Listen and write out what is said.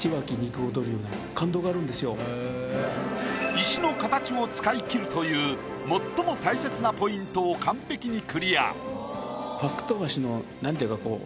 石の形を使いきるという最も大切なポイントを完璧にクリア。